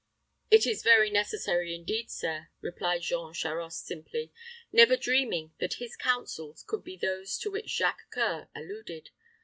"It is very necessary, indeed, sir," replied Jean Charost, simply, never dreaming that his counsels could be those to which Jacques C[oe]ur alluded.